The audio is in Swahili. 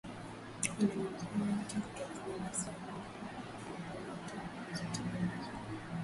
Unajulikana tu kutokana na sanamu kubwa za watu zilizotengenezwa